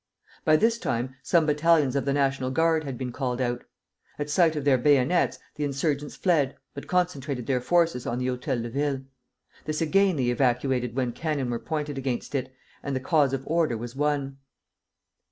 By this time some battalions of the National Guard had been called out. At sight of their bayonets the insurgents fled, but concentrated their forces on the Hôtel de Ville. This again they evacuated when cannon were pointed against it, and the cause of order was won.